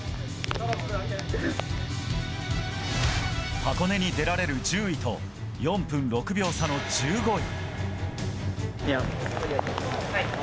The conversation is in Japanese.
箱根に出られる１０位と４分６秒差の１５位。